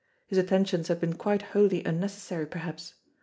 His attentions had been quite wholly unnecessary perhaps.